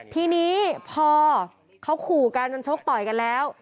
ทีนี้พอเขาขู่กันจนชกต่อยกันแล้ว